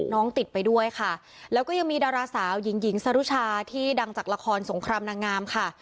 ติดไปด้วยค่ะแล้วก็ยังมีดาราสาวหญิงหญิงสรุชาที่ดังจากละครสงครามนางงามค่ะ